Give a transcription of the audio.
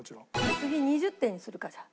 次２０点にするかじゃあ。